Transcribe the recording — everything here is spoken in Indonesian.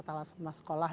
angkarataratala sama sekolah